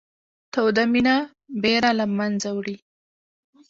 توده مینه بېره له منځه وړي